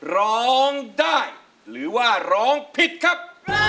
ร้องได้หรือว่าร้องผิดครับ